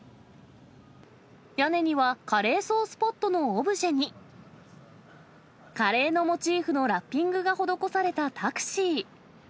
屋根にはカレーソースポットのオブジェに、カレーのモチーフのラッピングが施されたタクシー。